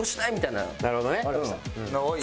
なるほどね。